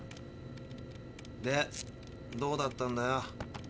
でどうだったんだよ？